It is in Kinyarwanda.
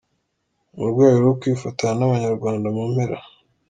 Mu rwego rwo kwifatanya n'abanyarwanda mu mpera